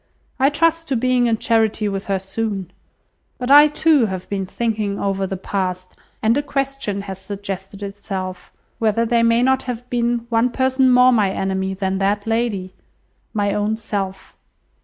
I trust to being in charity with her soon. But I too have been thinking over the past, and a question has suggested itself, whether there may not have been one person more my enemy even than that lady? My own self.